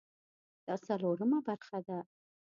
دا څلورمه برخه ده